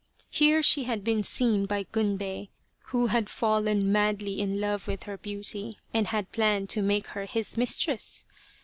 Here she had been seen by Gunbei, who had fallen madly in love with her beauty, and had planned to make her his mistress.